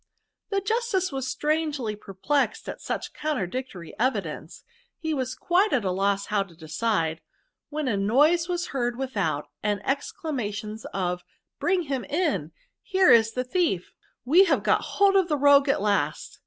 " The justice was strangely perplexed at such contradictory evidence ; he was quite at a loss how to decide, when a noise was heard, without, and exclamations of * bring him in,' —* here 's the thief,' —< we have got hold of the rogue at last.'